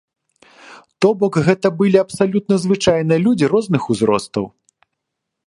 То бок гэта былі абсалютна звычайныя людзі розных узростаў.